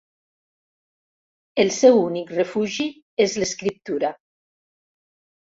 El seu únic refugi és l'escriptura.